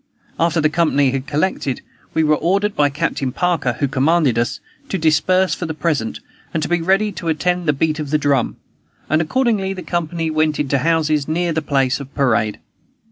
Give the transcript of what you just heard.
After the company had collected, we were ordered by Captain Parker (who commanded us) to disperse for the present, and to be ready to attend the beat of the drum; and accordingly the company went into houses near the place of parade.